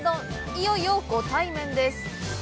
いよいよご対面です